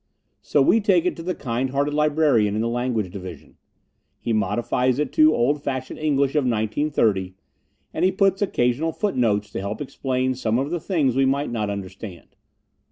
So we take it to the kind hearted librarian in the language division. He modifies it to old fashioned English of 1930, and he puts occasional footnotes to help explain some of the things we might not understand.